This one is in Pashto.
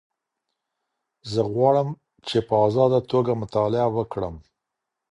زه غواړم چي په ازاده توګه مطالعه وکړم.